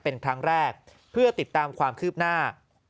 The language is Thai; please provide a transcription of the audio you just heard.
เป็นครั้งแรกเพื่อติดตามความคืบหน้า